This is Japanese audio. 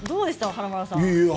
華丸さん。